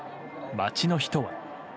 街の人は。